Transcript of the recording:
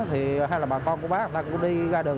hay là bà con của bác bà con đi ra đường